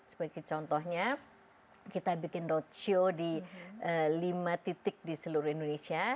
sebagai contohnya kita bikin roadshow di lima titik di seluruh indonesia